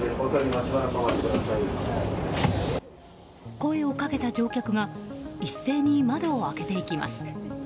声をかけた乗客が一斉に窓を開けていきます。